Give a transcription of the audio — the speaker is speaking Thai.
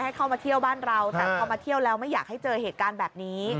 ให้เข้ามาเที่ยวบ้านเราแต่พอมาเที่ยวแล้วไม่อยากให้เจอเหตุการณ์แบบนี้